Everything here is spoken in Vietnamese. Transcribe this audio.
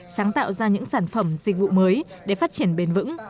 sáng tạo ra những sản phẩm dịch vụ mới để phát triển bền vững